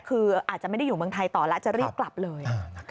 คืออาจจะไม่ได้อยู่เมืองไทยต่อแล้วจะรีบกลับเลย